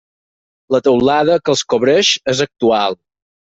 La teulada que els cobreix és actual.